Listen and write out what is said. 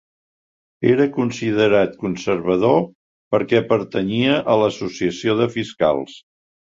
Era considerat conservador perquè pertanyia a l'Associació de Fiscals.